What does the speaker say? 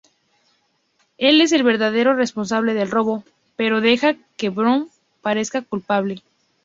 Él es el verdadero responsable del robo, pero deja que Brown parezca culpable.